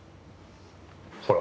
ほら。